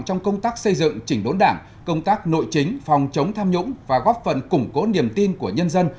trong công tác xây dựng chỉnh đốn đảng công tác nội chính phòng chống tham nhũng và góp phần củng cố niềm tin của nhân dân